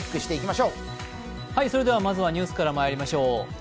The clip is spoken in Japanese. まずはニュースからまいりましょう。